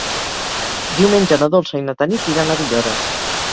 Diumenge na Dolça i na Tanit iran a Villores.